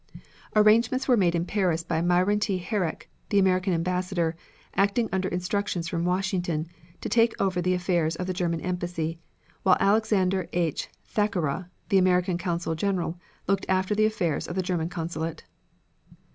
Arrangements were made in Paris by Myron T. Herrick, the American Ambassador, acting under instructions from Washington, to take over the affairs of the German embassy, while Alexander H. Thackara, the American Consul General, looked after the affairs of the German consulate.